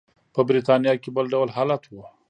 په برېټانیا کې بل ډول حالت و.